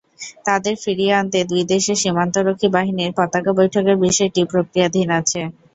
তাঁদের ফিরিয়ে আনতে দুই দেশের সীমান্তরক্ষী বাহিনীর পতাকা বৈঠকের বিষয়টি প্রক্রিয়াধীন আছে।